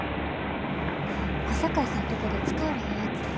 小堺さんとこで使われへんやつもらってきた。